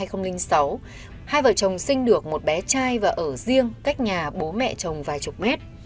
hai vợ chồng sinh được một bé trai và ở riêng cách nhà bố mẹ chồng vài chục mét